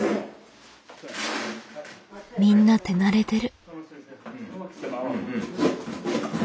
みんな手慣れてる。